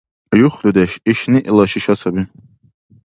Юх, дудеш, иш ниъла шиша саби.